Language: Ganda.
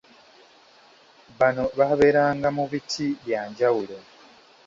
Bano baabeeranga mu biti byanjawulo.